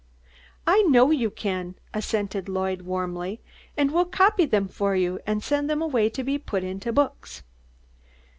"I know you can," assented Lloyd, warmly, "and we'll copy them for you, and send them away to be put into books."